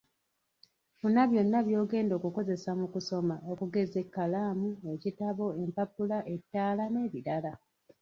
Funa byonna by'ogenda okukozesa mu kusoma okugeza ekkalaamu, ekitabo, empapula ettaala n’ebirala.